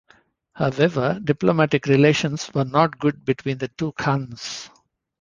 However, diplomatic relations were not good between the two khans.